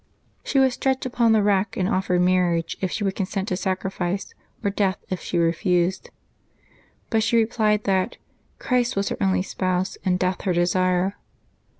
She was stretched upon the rack, and offered marriage if she would consent to sacrifice, or death if she refused. But she replied that ^' Christ w^as her only Spouse, and death her desire.'